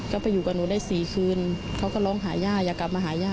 ก็ไปอยู่กับหนูได้๔คืนเขาก็ร้องหาย่าอยากกลับมาหาย่า